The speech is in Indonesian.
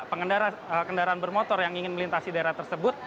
pengendara kendaraan bermotor yang ingin melintasi daerah tersebut